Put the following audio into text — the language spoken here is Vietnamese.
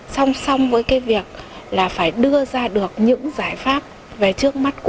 song song với việc phải đưa ra được những giải pháp về trước mắt quốc hội